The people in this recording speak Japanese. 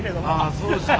あそうですか。